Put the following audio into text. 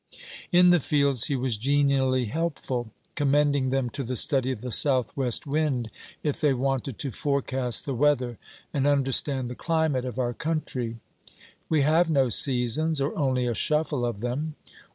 In the fields he was genially helpful; commending them to the study of the South west wind, if they wanted to forecast the weather and understand the climate of our country. 'We have no Seasons, or only a shuffle of them.